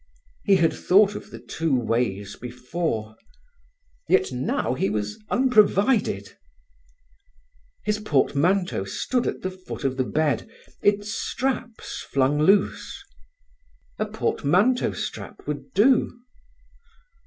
He had thought of the two ways before. Yet now he was unprovided. His portmanteau stood at the foot of the bed, its straps flung loose. A portmanteau strap would do.